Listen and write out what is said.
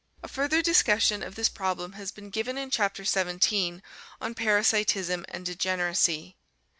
A further discussion of this problem has been given in Chapter XVII on parasitism and de generacy.